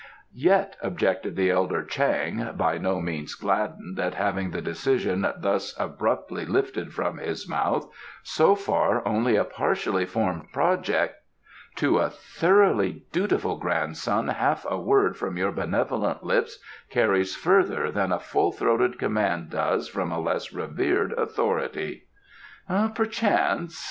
"Yet," objected the elder Chang, by no means gladdened at having the decision thus abruptly lifted from his mouth, "so far, only a partially formed project " "To a thoroughly dutiful grandson half a word from your benevolent lips carries further than a full throated command does from a less revered authority." "Perchance.